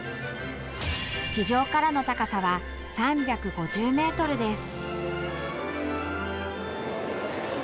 地上からの高さは３５０ｍです。